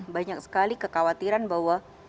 banyak sekali kekhawatiran bahwa